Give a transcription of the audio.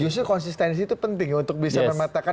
justru konsistensi itu penting untuk bisa memetakan